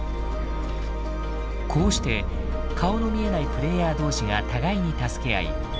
こうして顔の見えないプレイヤー同士が互いに助け合い